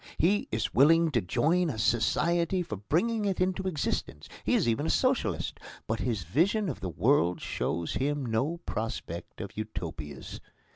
He is willing to join a society for bringing it into existence he is even a Socialist but his vision of the world shows him no prospect of Utopias.